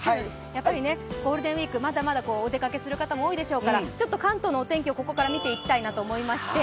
やっぱりゴールデンウイーク、まだまだお出かけする方も多いでしょうからちょっと関東のお天気をここから見ていきたいと思いまして。